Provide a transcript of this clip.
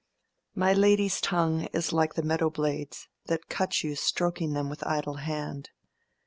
My lady's tongue is like the meadow blades, That cut you stroking them with idle hand.